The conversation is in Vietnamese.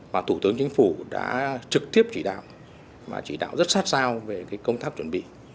chúng ta đã trực tiếp chỉ đạo và chỉ đạo rất sát sao về cái công tác chuẩn bị